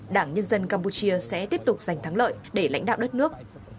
đảng nhân dân campuchia sẽ tiếp tục giành thắng lợi để lãnh đạo đất nước